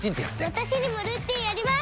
私にもルーティンあります！